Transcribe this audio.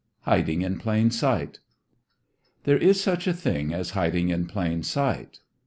HIDING IN PLAIN SIGHT There is such a thing as hiding in plain sight.